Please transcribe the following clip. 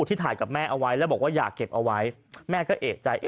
ที่ถ่ายกับแม่เอาไว้แล้วบอกว่าอยากเก็บเอาไว้แม่ก็เอกใจ